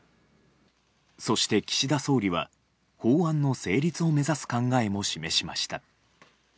そして、岸田総理は法案の成立を示す考えも示しました。